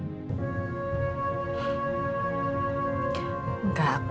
apa aku ceritain aja sama papa soal elsa ya